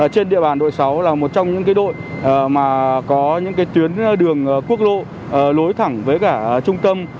trên địa bàn đội sáu là một trong những đội mà có những tuyến đường quốc lộ lối thẳng với cả trung tâm